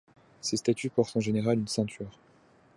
Ces statues portent en général une ceinture.